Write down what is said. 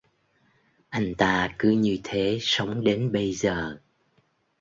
Anh ta cứ như thế sống đến bây giờ